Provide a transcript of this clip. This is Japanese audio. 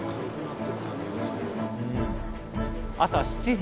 朝７時。